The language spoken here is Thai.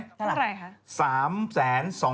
เท่าไหร่คะ